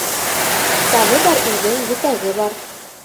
Китабы бар өйҙөң етәге бар.